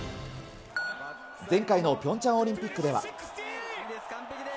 前回のピョンチャンオリンピックでは。